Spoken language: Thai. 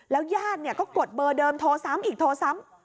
ญาติก็กดเบอร์เดิมโทรซ้ำอีกโทรซ้ำ